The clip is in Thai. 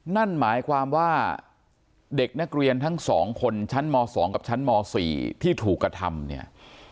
นั่นหมายความว่าเด็กนักเรียนทั้ง๒คนชั้นม๒กับชั้นม๔ที่ถูกกระทำเนี่ย